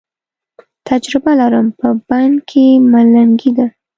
تجره لرم، په بنګ کې ملنګي ده